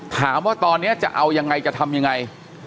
ถามว่าตอนนี้จะเอายังไงจะทำยังไง